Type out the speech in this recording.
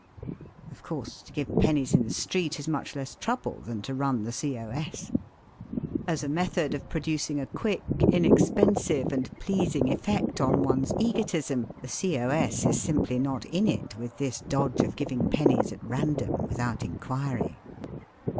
Of course, to give pennies in the street is much less trouble than to run the C.O.S. As a method of producing a quick, inexpensive, and pleasing effect on one's egotism the C.O.S. is simply not in it with this dodge of giving pennies at random, without inquiry.